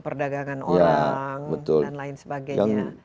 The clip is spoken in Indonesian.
perdagangan orang dan lain sebagainya